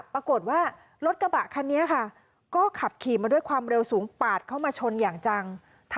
ปรากฏว่ารถกระบะคันนี้ค่ะก็ขับขี่มาด้วยความเร็วสูงปาดเข้ามาชนอย่างจัง